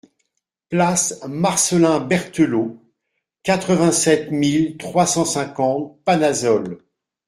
Place Marcelin Berthelot, quatre-vingt-sept mille trois cent cinquante Panazol